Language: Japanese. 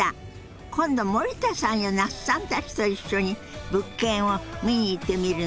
今度森田さんや那須さんたちと一緒に物件を見に行ってみるのはどう？